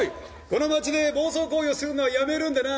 この街で暴走行為をするのはやめるんだな。